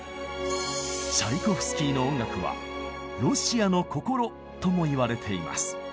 チャイコフスキーの音楽は「ロシアの心」ともいわれています。